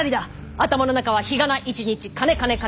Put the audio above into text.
頭の中は日がな一日金金金！